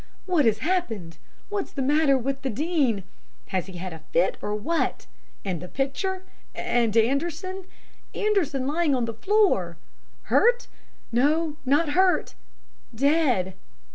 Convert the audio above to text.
"'What has happened? What's the matter with the Dean? Has he had a fit, or what? And the picture? And Anderson? Anderson lying on the floor! Hurt? No, not hurt, dead!